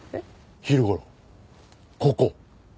昼頃ここ。